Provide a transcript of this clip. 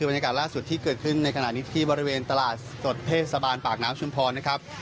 บรรยากาศล่าสุดที่เกิดขึ้นในขณะนี้ที่บริเวณตลาดสดเทศบาลปากน้ำชุมพรนะครับ